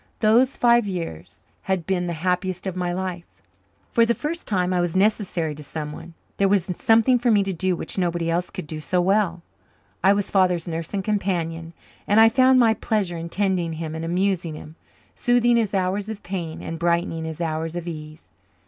Those five years had been the happiest of my life. For the first time I was necessary to someone there was something for me to do which nobody else could do so well. I was Father's nurse and companion; and I found my pleasure in tending him and amusing him, soothing his hours of pain and brightening his hours of ease.